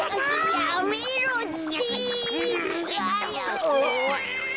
やめろって！